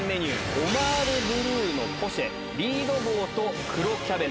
オマールブルーのポシェ、リードヴォーと黒キャベツ。